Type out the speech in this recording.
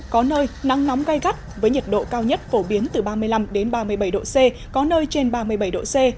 có nơi nắng nóng gai gắt với nhiệt độ cao nhất phổ biến từ ba mươi năm ba mươi bảy độ c có nơi trên ba mươi bảy độ c